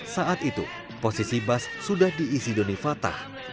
saat itu posisi bass sudah diisi donny fathah